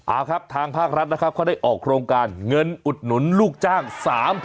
เอาครับทางภาครัฐนะครับเขาได้ออกโครงการเงินอุดหนุนลูกจ้างสาม